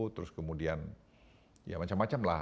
terus kemudian ya macam macam lah